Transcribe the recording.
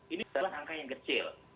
ini adalah angka yang kecil